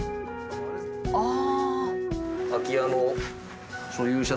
ああ！